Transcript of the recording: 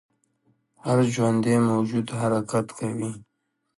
هر ژوندی موجود حرکت کوي